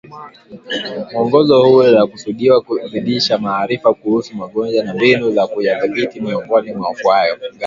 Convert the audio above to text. Mwongozo huu unakusudiwa kuzidisha maarifa kuhusu magonjwa na mbinu za kuyadhibiti miongoni mwa wafugaji